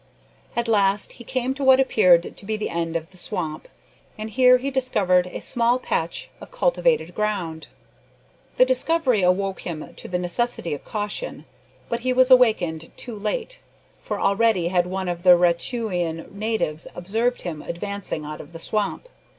At last he came to what appeared to be the end of the swamp, and here he discovered a small patch of cultivated ground. The discovery awoke him to the necessity of caution, but he was awakened too late, for already had one of the Raturan natives observed him advancing out of the swamp.